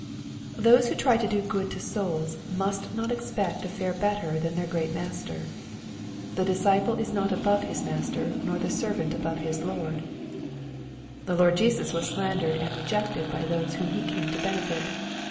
Those who try to do good to souls must not expect to fare better than their great Master. " The disciple is not above his Master, nor the servant above his Lord.*' The Lord Jesus was slandered and rejected by those whom he came to benefit.